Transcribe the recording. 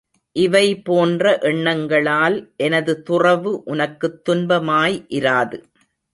இவை போன்ற எண்ணங்களால் எனது துறவு உனக்குத் துன்பமாய் இராது.